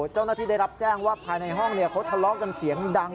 เจ้าหน้าที่ได้รับแจ้งว่าภายในห้องเขาทะเลาะกันเสียงดัง